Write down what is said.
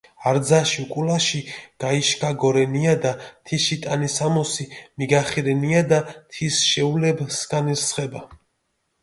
არძაში უკულაში გაიშქაგორენიადა, თიში ტანისამოსი მიგახირენიადა, თის შეულებჷ სქანი რსხებავა.